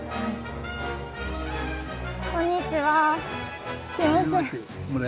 こんにちは。